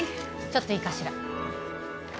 ちょっといいかしら？